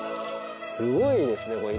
すごいですね！